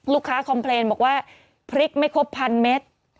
ลูกค้าคอมเพลย์บอกว่าพริกไม่ครบพันเมตร